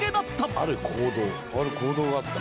「ある行動があった？」